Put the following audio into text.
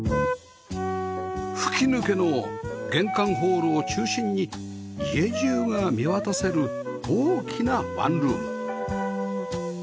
吹き抜けの玄関ホールを中心に家中が見渡せる大きなワンルーム